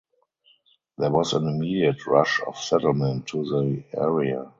There was an immediate rush of settlement to the area.